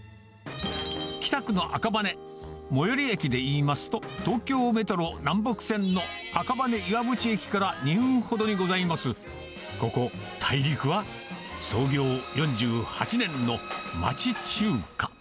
北区の赤羽、最寄り駅で言いますと、東京メトロ南北線の赤羽岩淵駅から２分ほどにございます、ここ、大陸は、創業４８年の町中華。